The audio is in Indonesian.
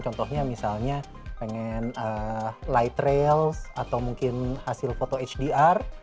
contohnya misalnya pengen light rail atau mungkin hasil foto hdr